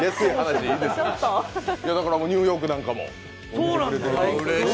ニューヨークなんかも。